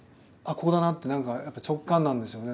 ここだなって何かやっぱ直感なんでしょうね。